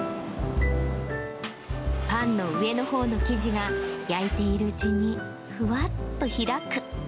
パンの上のほうの生地が焼いているうちにふわっと開く。